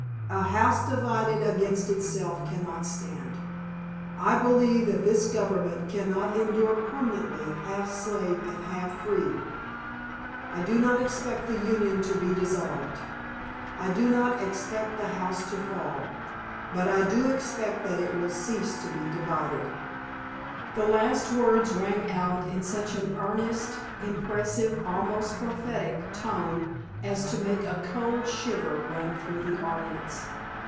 'A house divided against itself cannot stand.' I believe that this government cannot endure permanently half slave and half free. I do not expect the Union to be dissolved—I do not expect the house to fall—but I do expect that it will cease to be divided." The last words rang out in such an earnest, impressive, almost prophetic tone as to make a cold shiver run through the audience.